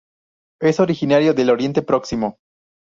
Es originario del Oriente Próximo.